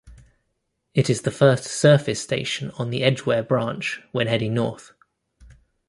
It is the first surface station on the Edgware branch when heading north.